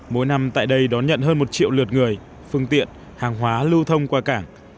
mỗi năm tại đây đón nhận hơn một triệu lượt người phương tiện hàng hóa lưu thông qua cảng